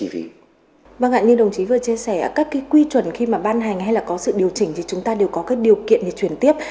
vâng ạ như đồng chí vừa chia sẻ các cái quy chuẩn khi mà ban hành hay là có sự điều chỉnh thì chúng ta đều có các điều kiện để chuyển tiếp